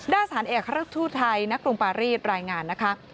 ด้านสารเอกฮรักษุไทยนักกรุงปารีสรายงานนะคะ